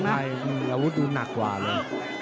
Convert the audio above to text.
อาวุธดูหนักกว่าเลย